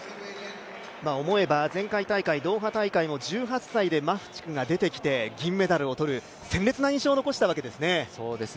思えば前回大会ドーハ大会１８歳でマフチクが出てきて銀メダルをとる、鮮烈な印象を残したわけですね。